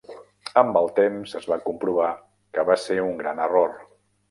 Amb el temps, es va comprovar que va ser un gran error.